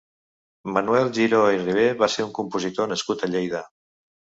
Manuel Giró i Ribé va ser un compositor nascut a Lleida.